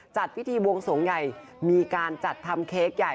จัดพิธีบวงสวงใหญ่มีการจัดทำเค้กใหญ่